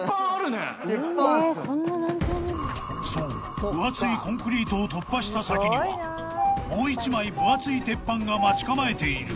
［そう分厚いコンクリートを突破した先にはもう１枚分厚い鉄板が待ち構えている］